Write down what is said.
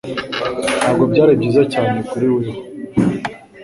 Ntabwo byari byiza cyane kuri wewo,